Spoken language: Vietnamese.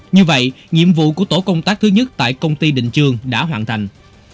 như vậy nhiệm vụ của tổ công tác thứ nhất tại công ty đình trương đã hoàn thành